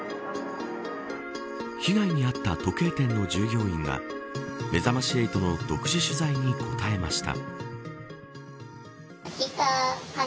被害に遭った時計店の従業員がめざまし８の独自取材に答えました。